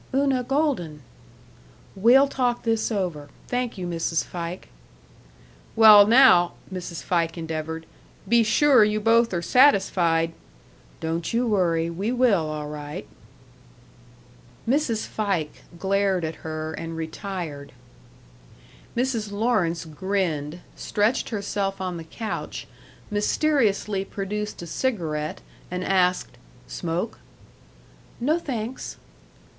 "Una Golden." "We'll talk this over.... Thank you, Mrs. Fike." "Well, now," Mrs. Fike endeavored, "be sure you both are satisfied " "Don't you worry! We will, all right!" Mrs. Fike glared at her and retired. Mrs. Lawrence grinned, stretched herself on the couch, mysteriously produced a cigarette, and asked, "Smoke?" "No, thanks."